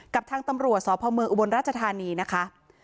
กับทางตำรวจสพเมืองอุบลราชธานีนะคะ